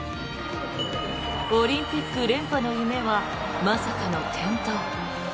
オリンピック連覇の夢はまさかの転倒。